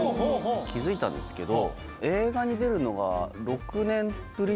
気付いたんですけど。